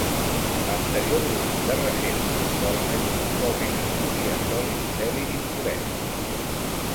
L'anterior grup de recerca a Cornell actualment estudia sòlids d'heli d'impuresa.